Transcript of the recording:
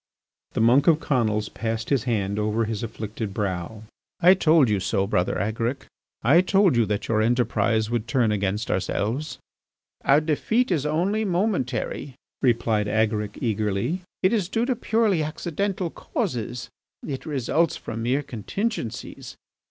The monk of Conils passed his hand over his afflicted brow: "I told you so, Brother Agaric; I told you that your enterprise would turn against ourselves." "Our defeat is only momentary," replied Agaric eagerly. "It is due to purely accidental causes; it results from mere contingencies.